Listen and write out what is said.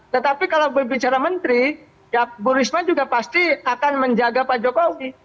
tetapi kalau berbicara menteri ya bu risma juga pasti akan menjaga pak jokowi